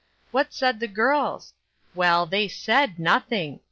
What said the girls? Well, they said nothing.